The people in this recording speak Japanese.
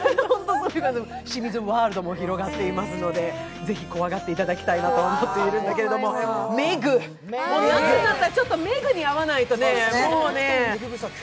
清水ワールドも広がっていますので、ぜひ怖がっていただきたいなと思っていますが「ＭＥＧ」、夏になったら、ちょっとＭＥＧに会わないとね。